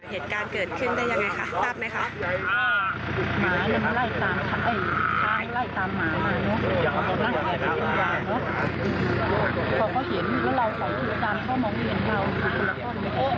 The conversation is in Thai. เหตุการณ์เกิดขึ้นได้ยังไงค่ะทราบไหมคะ